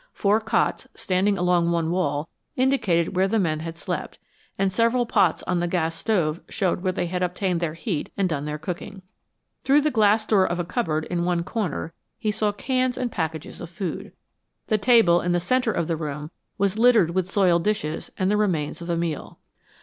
Four cots, standing along one wall, indicated where the men had slept, and several pots on the gas stove showed where they had obtained their heat and done their cooking. Through the glass door of a cupboard, in one corner, he saw cans and packages of food. The table, in the center of the room, was littered with soiled dishes and the remains of a meal.